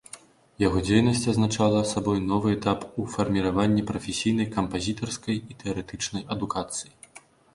Яго дзейнасць азначала сабой новы этап у фарміраванні прафесійнай кампазітарскай і тэарэтычнай адукацыі.